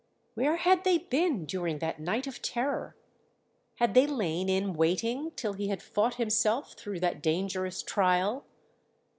Where had they been during that night of terror? Had they lain in waiting till he had fought himself through that dangerous trial?